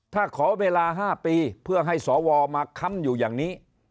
ถ้าขอเวลา๕ปีเพื่อให้สวมาค้ำอยู่อย่างนี้